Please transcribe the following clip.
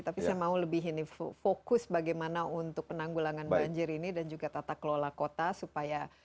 tapi saya mau lebih ini fokus bagaimana untuk penanggulangan banjir ini dan juga tata kelola kota supaya